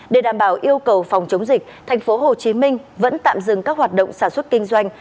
để đảm bảo yêu cầu phòng chống dịch tp hcm vẫn tạm dừng các hoạt động sản xuất kinh doanh